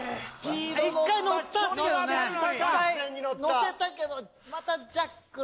のせたけどまたジャックル。